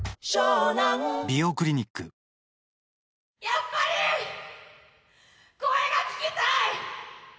「やっぱり声が聞きたい！」